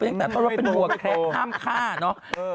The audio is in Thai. ไปตะเวิร์ดเป็นวัวแคล็กห้ามคานะ